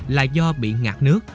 là do bị ngạt nước